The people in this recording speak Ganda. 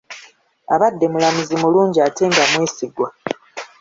Abadde mulamuzi mulungi ate nga mwesigwa.